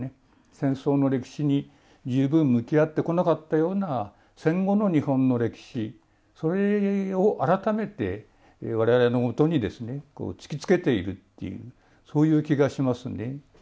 戦争の歴史に十分向き合ってこなかったような戦後の日本の歴史それを改めてわれわれのもとに突きつけているっていうそういう気がしますね。